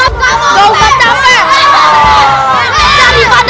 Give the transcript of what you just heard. enggak mau kacau sobri